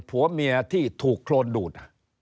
ผัวเมียที่ถูกโครนดูด